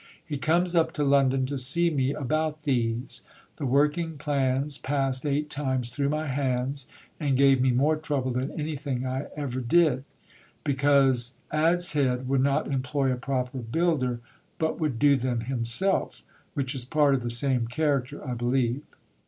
He comes up to London to see me about these. The working plans passed eight times thro' my hands and gave me more trouble than anything I ever did. Because Adshead would not employ a proper builder, but would do them himself which is part of the same character, I believe.